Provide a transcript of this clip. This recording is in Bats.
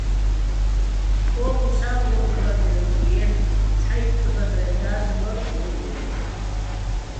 ო́ჴუსაჲ ვორ'ლ ბადერ დიენი̆, ცჰ̦აიტტ ბადრეჼ და́დ ვარ ო ლე́ვო̆.